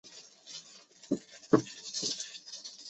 该行星可能有卫星系统或环系统。